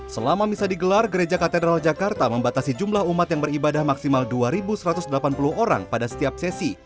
selama misa digelar gereja katedral jakarta membatasi jumlah umat yang beribadah maksimal dua satu ratus delapan puluh orang pada setiap sesi